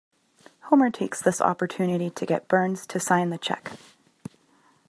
Homer takes this opportunity to get Burns to sign the check.